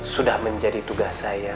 sudah menjadi tugas saya